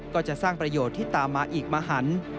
ก็จะสร้างประโยชน์ที่ตามมาอีกมหัน